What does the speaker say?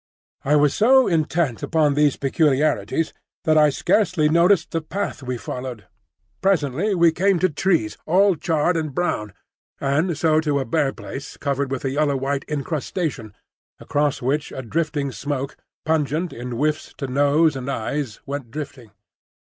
I was so intent upon these peculiarities that I scarcely noticed the path we followed. Presently we came to trees, all charred and brown, and so to a bare place covered with a yellow white incrustation, across which a drifting smoke, pungent in whiffs to nose and eyes, went drifting.